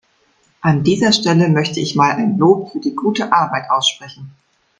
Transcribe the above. An dieser Stelle möchte ich mal ein Lob für die gute Arbeit aussprechen.